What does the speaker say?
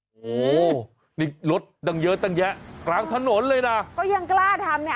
โอ้โหนี่รถดังเยอะตั้งแยะกลางถนนเลยนะก็ยังกล้าทำเนี่ย